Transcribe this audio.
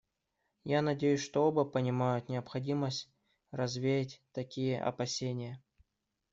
Я надеюсь, что оба понимают необходимость развеять такие опасения.